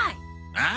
ああ？